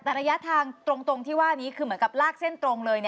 แต่ระยะทางตรงที่ว่านี้คือเหมือนกับลากเส้นตรงเลย